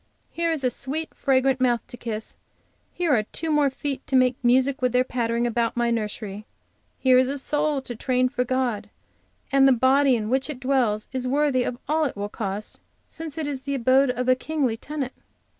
Here is a sweet, fragrant mouth to kiss; here are two more feet to make music with their pattering about my nursery. Here is a soul to train for God, and the body in which it dwells is worthy all it will cost, since it is the abode of a kingly tenant.